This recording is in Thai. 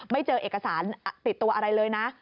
ไม่เจอเอกสารติดตัวอะไรเลยนะ